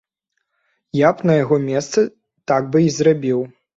Я б на яго месцы так бы і зрабіў.